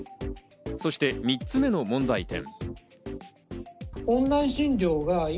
そして３つ目の問題点。